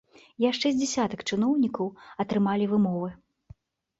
Яшчэ з дзясятак чыноўнікаў атрымалі вымовы.